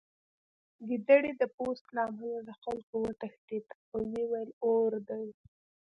ګیدړې د پوست له امله له خلکو وتښتېده او ویې ویل اور دی